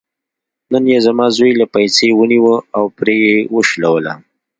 نن یې زما زوی له پایڅې ونیوه او پرې یې شلوله.